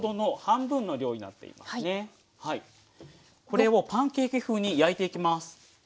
これをパンケーキ風に焼いていきます。